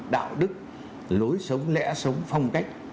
đạo đức lối sống lẽ sống phong cách